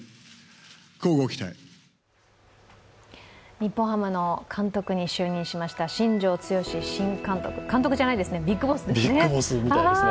日本ハムの監督に就任しました新庄剛志新監督監督じゃないですね、ビッグボスですね。